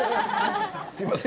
すいません。